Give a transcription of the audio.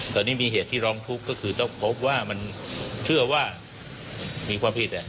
ตอนนี้มีเหตุที่ร้องทุกข์ก็คือต้องพบว่ามันเชื่อว่ามีความผิด